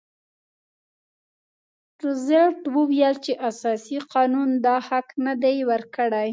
روزولټ وویل چې اساسي قانون دا حق نه دی ورکړی.